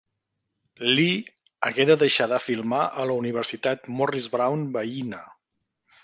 Lee hagué de deixar de filmar a la Universitat Morris Brown veïna.